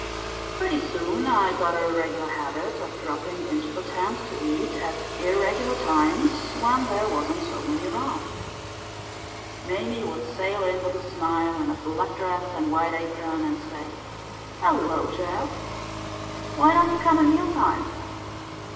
"Pretty soon I got a regular habit of dropping into the tent to eat at irregular times when there wasn't so many around. Mame would sail in with a smile, in a black dress and white apron, and say: 'Hello, Jeff —why don't you come at mealtime?